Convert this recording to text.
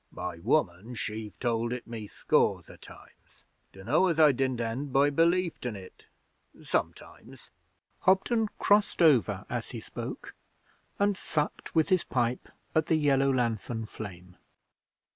'My woman she've told it me scores o' times. Dunno as I didn't end by belieftin' it sometimes.' Hobden crossed over as he spoke, and sucked with his pipe at the yellow lanthorn flame.